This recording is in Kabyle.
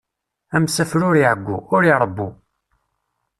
Amsafer ur iɛeggu, ur iṛebbu.